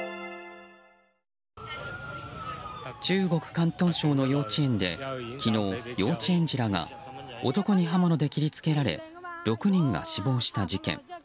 中国・広東省の幼稚園で昨日、幼稚園児らが男に刃物で切り付けられ６人が死亡した事件。